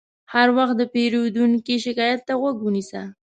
هر وخت د پیرودونکي شکایت ته غوږ ونیسه.